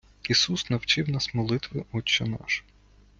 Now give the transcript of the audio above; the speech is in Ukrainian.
Ісус навчив нас молитви Отче наш.